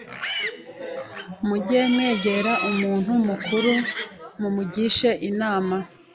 muge mwegera umuntu mukuru mumugishe inama